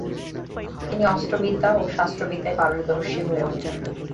তিনি অস্ত্রবিদ্যায় ও শাস্ত্রবিদ্যায় পারদর্শী হয়ে উঠেন।